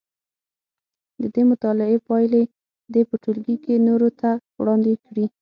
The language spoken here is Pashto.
د دې مطالعې پایلې دې په ټولګي کې نورو ته وړاندې کړي.